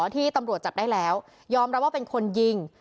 ที่ตำรวจจับได้แล้วยอมรับว่าเป็นคนยิง